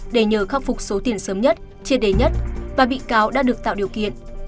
để nhờ khắc phục số tiền sớm nhất trên đề nhất và bị cáo đã được tạo điều kiện